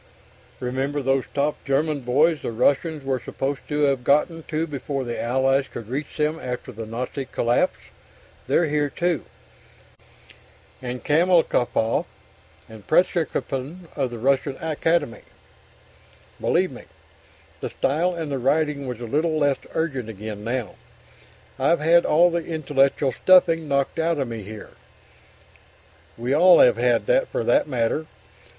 Remember those top German boys the Russians were supposed to have gotten to before the Allies could reach them after the Nazi collapse? They're here too! And Kamalnikov, and Pretchkin of the Russian Academy. Believe me (the style and the writing was a little less urgent again now), I've had all the intellectual stuffing knocked out of me here. We all have had, for that matter.